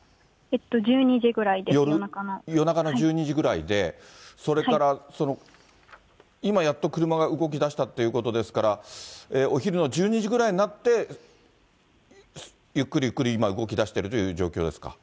１２時ぐらいです、夜中の１２時ぐらいで、それから、いまやっと車が動きだしたということですから、お昼の１２時ぐらいになって、ゆっくりゆっくり今動きだしているという状況ですか。